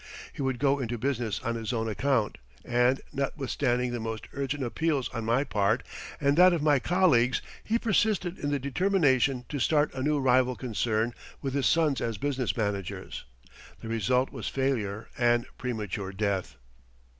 He would go into business on his own account, and, notwithstanding the most urgent appeals on my part, and that of my colleagues, he persisted in the determination to start a new rival concern with his sons as business managers. The result was failure and premature death.